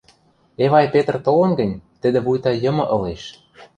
— Эвай Петр толын гӹнь, тӹдӹ вуйта йымы ылеш...